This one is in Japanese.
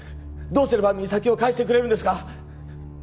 どうすれば実咲を返してくれるんですか？